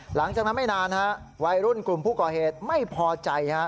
หลังจากนั้นไม่นานฮะวัยรุ่นกลุ่มผู้ก่อเหตุไม่พอใจฮะ